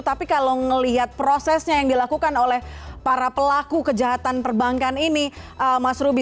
tapi kalau melihat prosesnya yang dilakukan oleh para pelaku kejahatan perbankan ini mas ruby